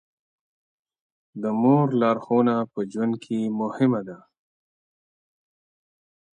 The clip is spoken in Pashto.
د مور لارښوونه په ژوند کې مهمه ده.